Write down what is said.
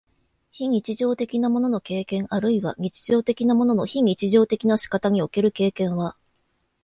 非日常的なものの経験あるいは日常的なものの非日常的な仕方における経験は、